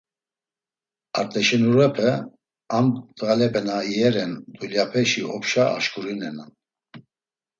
Art̆aşenurepe, ham ndğalepe na iyeren dulyapeşi opşa aşǩurinenan.